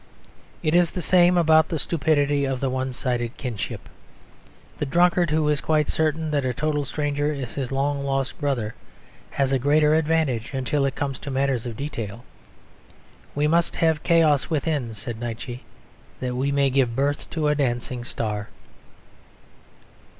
It is the same about the stupidity of the one sided kinship. The drunkard who is quite certain that a total stranger is his long lost brother, has a greater advantage until it comes to matters of detail. "We must have chaos within" said Nietzsche, "that we may give birth to a dancing star."